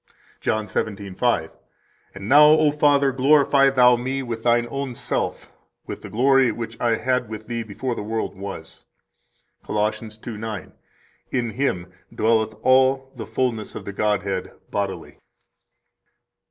103 John 17:5: And now, O Father, glorify Thou Me with Thine Own Self, with the glory which I had with Thee before the world was. 104 Col. 2:9: In Him dwelleth all the fullness of the Godhead bodily.